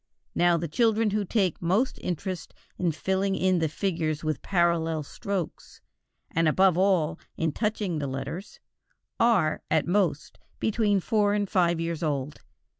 Now the children who take most interest in filling in the figures with parallel strokes, and, above all, in touching the letters, are, at most, between four and five years old.